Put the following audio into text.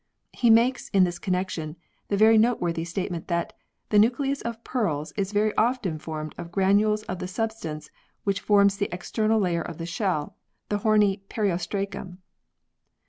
He makes, in this connection, the very note worthy statement that the nucleus of pearls is very often formed of granules of the substance ivhich forms the external layer of the shell the horny periostracum.